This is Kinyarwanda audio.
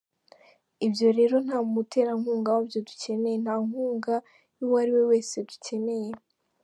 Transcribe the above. Ibyo rero nta muterankunga wabyo dukeneye, nta nkunga y’uwariwe wese dukeneye.